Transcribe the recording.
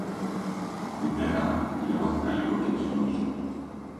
Μητέρα! Λερώθηκαν λίγο και τις λούζω